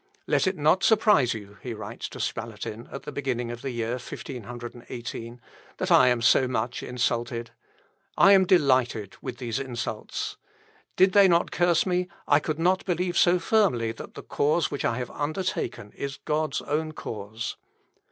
"Let it not surprise you," he writes to Spalatin, at the beginning of the year 1518, "that I am so much insulted. I am delighted with these insults. Did they not curse me, I could not believe so firmly that the cause which I have undertaken is God's own cause.